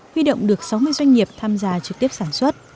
huy động được sáu mươi doanh nghiệp tham gia trực tiếp sản xuất